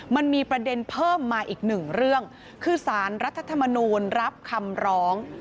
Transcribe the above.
มันมีประเด็นเพิ่มมาอีกหนึ่งเรื่องคือสารรัฐธรรมนูลรับคำร้อง